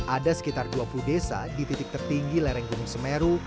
ada sekitar dua puluh desa di titik tertinggi lereng gunung semeru